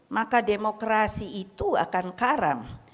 maka demokrasi itu akan karam